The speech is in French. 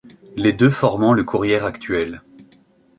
Les deux formant le Courrière actuel.